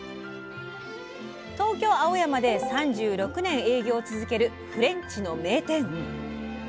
東京青山で３６年営業を続けるフレンチの名店。